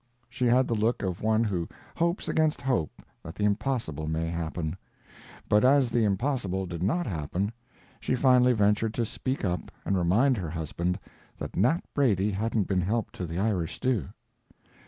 She had the look of one who hopes against hope that the impossible may happen. But as the impossible did not happen, she finally ventured to speak up and remind her husband that Nat Brady hadn't been helped to the Irish stew.